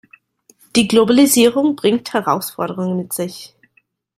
Die Globalisierung bringt Herausforderungen mit sich.